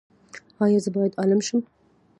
ایا زه باید عالم شم؟